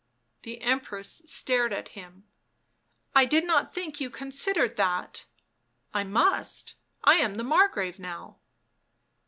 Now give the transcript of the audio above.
The Empress stared at him. " I did not think you considered that." " I must. I am the Margrave now."